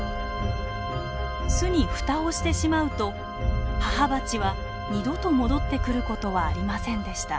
巣に蓋をしてしまうと母バチは二度と戻ってくる事はありませんでした。